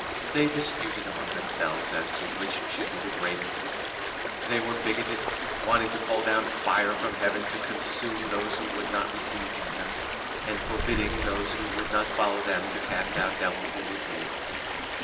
They disputed among themselves as to which should be the greatest. They were bigoted, wanting to call down fire from Heaven to consume those who would not receive Jesus, and forbidding those who would not follow them to cast out devils in His name.